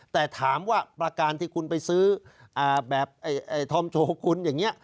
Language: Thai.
แต่ถามว่าประการที่คุณไปซื้ออ่าแบบเอ่ยเอ่ยทอมโชคคุณอย่างเงี้ย